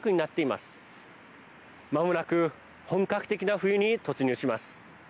まもなく本格的な冬に突入します。